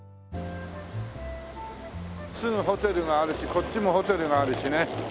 すぐホテルがあるしこっちもホテルがあるしね。